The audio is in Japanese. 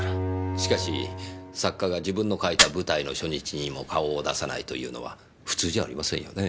しかし作家が自分の書いた舞台の初日にも顔を出さないというのは普通じゃありませんよね？